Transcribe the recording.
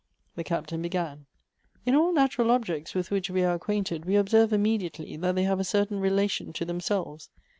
The Captain began :" In all natural objects with which we are acquainted, 38 Goethe's we observe immediately that they have a certain relation to themselves.